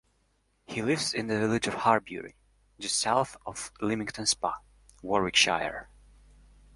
He lives in the village of Harbury, just south of Leamington Spa, Warwickshire.